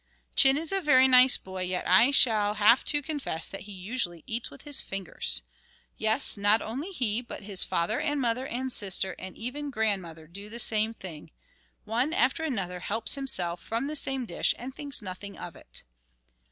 Chin is a very nice boy, yet I shall have to confess that he usually eats with his fingers! Yes, not only he, but his father and mother and sister, and even grandmother, do the same thing. One after another helps himself from the same dish and thinks nothing of it.